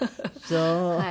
そう。